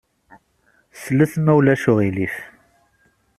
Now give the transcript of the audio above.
Slet, ma ulac aɣilif.